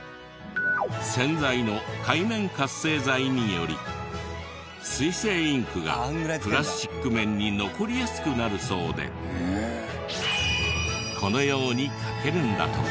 洗剤の界面活性剤により水性インクがプラスチック面に残りやすくなるそうでこのように書けるんだとか。